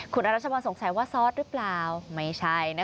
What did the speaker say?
ขุนรัชบังสงสัยว่าซอสรึเปล่าไม่ใช่นะคะ